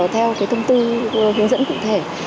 theo cái thông tư hướng dẫn cụ thể